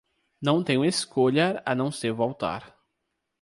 Não tenho escolha a não ser voltar.